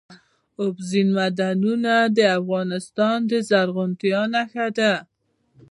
اوبزین معدنونه د افغانستان د زرغونتیا نښه ده.